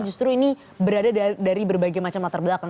justru ini berada dari berbagai macam latar belakang